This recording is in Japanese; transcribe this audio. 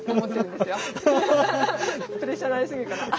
プレッシャーなりすぎるかな？